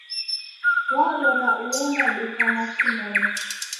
Waghora uenda duka machi moni